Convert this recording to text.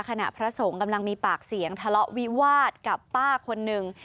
พระสงฆ์กำลังมีปากเสียงทะเลาะวิวาสกับป้าคนหนึ่ง